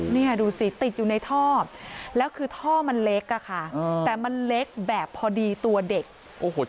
เนี่ยดูสิติดอยู่ในท่อแล้วคือท่อมันเล็กอะค่ะแต่มันเล็กแบบพอดีตัวเด็กโอ้โห